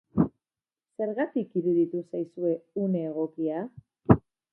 Zergatik iruditu zaizue une egokia?